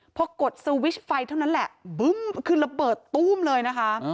พอกดสวิชไฟเท่านั้นแหละบึ้มคือระเบิดตู้มเลยนะคะ